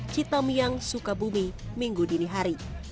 cita myang sukabumi minggu dini hari